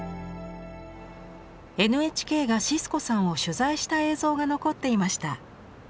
ＮＨＫがシスコさんを取材した映像が残っていました。